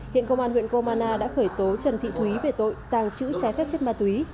hiện công an huyện gromana đã khởi tố trần thị thúy về tội tàng trữ trái phép chất ma túy